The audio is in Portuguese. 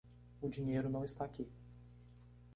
O dinheiro não está aqui.